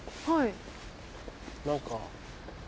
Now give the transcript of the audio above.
はい。何か。